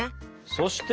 そして？